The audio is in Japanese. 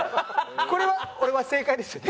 これは俺は正解ですよね？